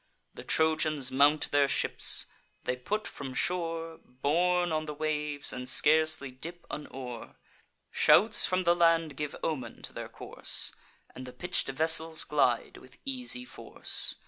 The Trojans mount their ships; they put from shore, Borne on the waves, and scarcely dip an oar. Shouts from the land give omen to their course, And the pitch'd vessels glide with easy force.